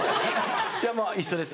いやまぁ一緒です